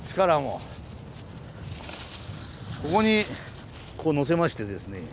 ここにこうのせましてですね